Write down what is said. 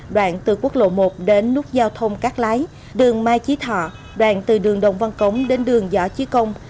đoạn từ quốc lộ một đến nút giao thông cát lái đường mai chí thọ đoạn từ đường đồng văn cống đến đường võ chí công